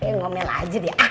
kayaknya ngomel aja dia